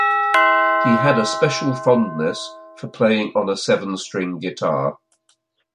He had a special fondness for playing on a seven string guitar.